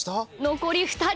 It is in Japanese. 残り２人。